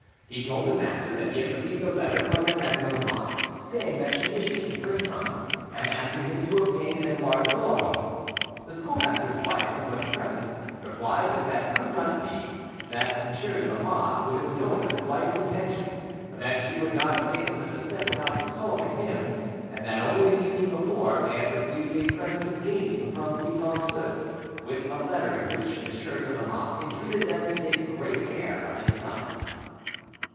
He told the master that he had received a letter from Madame de Lamotte, saying that she wished to keep her son, and asking him to obtain Edouard's belongings. The schoolmaster's wife, who was present, replied that that could not be; that Monsieur de Lamotte would have known of his wife's intention; that she would not have taken such a step without consulting him; and that only the evening before, they had received a present of game from Buisson Souef, with a letter in which Monsieur de Lamotte entreated them to take great, care of his son.